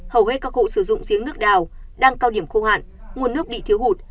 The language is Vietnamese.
hầu hết các hộ sử dụng giếng nước đào đang cao điểm khô hạn nguồn nước bị thiếu hụt